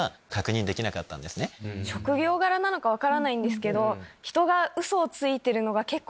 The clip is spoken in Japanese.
職業柄なのか分からないんですけど。